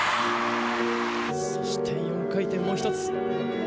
そして４回転もう一つ。